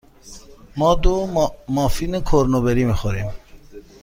ما دو مافین کرنبری می خوریم.